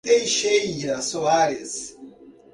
Teixeira Soares